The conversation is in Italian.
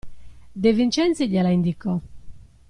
De Vincenzi gliela indicò.